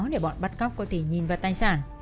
để bọn bắt góc có tỷ nhìn và tài sản